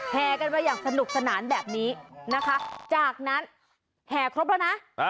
แห่กันมาอย่างสนุกสนานแบบนี้นะคะจากนั้นแห่ครบแล้วนะ